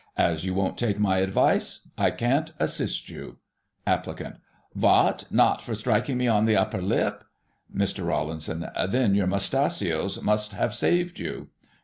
As you won't take my advice, I can't assist you. Applicant : Vot ! not for striking me on the hupper lip ? Mr. Rawlinson: Then your mustachios must have saved you.